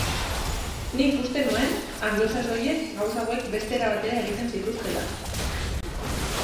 Nik uste nuen anglosaxoiek gauza hauek beste era batera egiten zituztela!